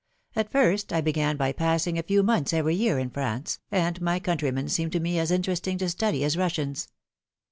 At first I began by passing a few months every year in France, and my countrymen seemed to me as interesting to study as Russians.